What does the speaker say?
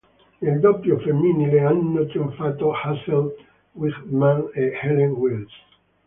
Nel doppio femminile hanno trionfato Hazel Wightman e Helen Wills.